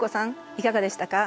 いかがでしたか？